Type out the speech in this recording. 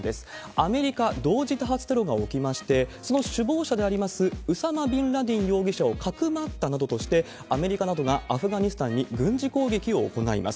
アメリカ同時多発テロが起きまして、その首謀者でありますウサマ・ビンラディン容疑者をかくまったなどとして、アメリカなどがアフガニスタンに軍事攻撃を行います。